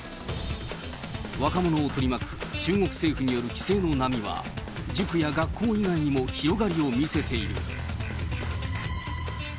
若者を取り巻く中国政府による規制の波は、塾や学校以外にも広がりを見せている。